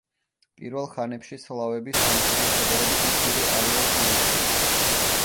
პირველ ხანებში სლავების სამშობლო შედარებით მცირე არეალს მოიცავდა.